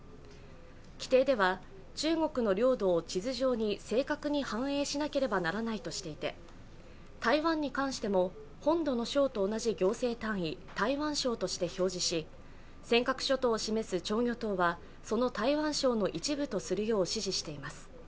規定では中国の領土を地図上に正確に反映しなければならないとしていて、台湾に関しても本土の省と同じ行政単位台湾省として表示し尖閣諸島を示す釣魚島はその台湾省の一部とするよう指示しています。